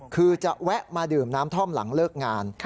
คือจะแวะมาดื่มน้ำท่อมหลังเลิกงาน